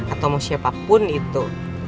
atau mau siapapun itu